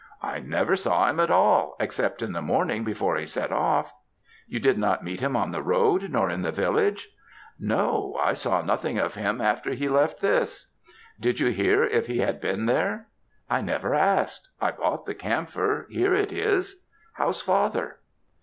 "I never saw him at all, except in the morning before he set off." "You did not meet him on the road, nor in the village?" "No; I saw nothing of him after he left this." "Did you hear if he had been there?" "I never asked; I bought the camphor here it is. How's father?"